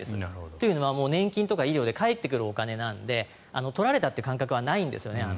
というのは年金とか医療で返ってくるお金なので取られたという感覚はあまりないんですよね。